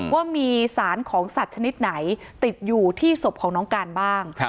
ว่ามีสารของสัตว์ชนิดไหนติดอยู่ที่ศพของน้องการบ้าง